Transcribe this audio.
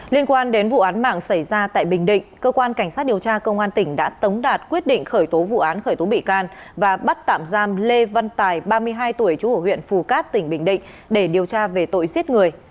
liên quan đến vụ án mạng xảy ra tại bình định cơ quan cảnh sát điều tra công an tỉnh đã tống đạt quyết định khởi tố vụ án khởi tố bị can và bắt tạm giam lê văn tài ba mươi hai tuổi chú ở huyện phù cát tỉnh bình định để điều tra về tội giết người